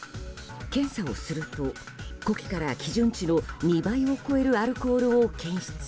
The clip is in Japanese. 検査をすると呼気から基準値の２倍を超えるアルコールを検出。